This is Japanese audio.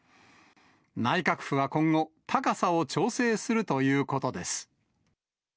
内閣府は今後、高さを調整するということです。